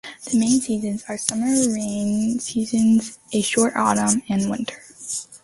The main seasons are summer, rainy season, a short autumn, and winter.